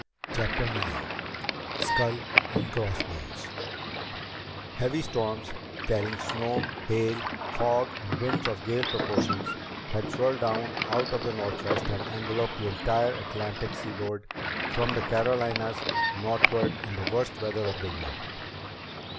CHAPTER IX Skull and Crossbones Heavy storms, carrying snow, hail, fog, and winds of gale proportions had swirled down out of the northwest and enveloped the entire Atlantic seaboard from the Carolinas northward in the worst weather of the year.